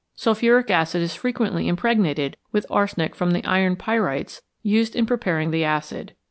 Sulphuric acid is frequently impregnated with arsenic from the iron pyrites used in preparing the acid.